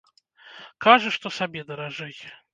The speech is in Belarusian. Кажа, што сабе даражэй.